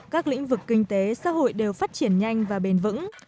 các lĩnh vực kinh tế xã hội đều phát triển nhanh và bền vững